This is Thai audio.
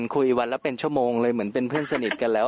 คุยวันละเป็นชั่วโมงเลยเหมือนเป็นเพื่อนสนิทกันแล้ว